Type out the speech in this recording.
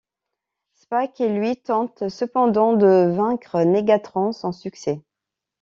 Spike et lui tentent cependant de vaincre Negatron sans succès.